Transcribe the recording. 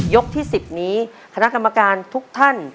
ที่๑๐นี้คณะกรรมการทุกท่าน